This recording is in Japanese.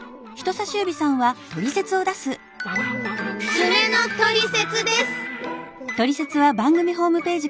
爪のトリセツです！